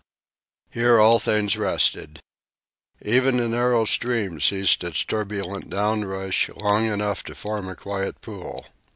Here all things rested. Even the narrow stream ceased its turbulent down rush long enough to form a quiet pool.